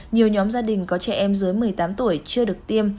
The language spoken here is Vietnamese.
nhiều nhóm gia đình có trẻ em dưới một mươi tám tuổi chưa được tiêm